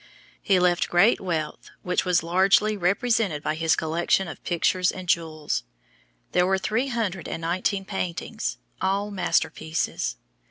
He left great wealth which was largely represented by his collection of pictures and jewels. There were three hundred and nineteen paintings, all masterpieces.